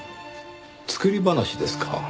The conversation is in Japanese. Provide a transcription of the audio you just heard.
作り話ですか。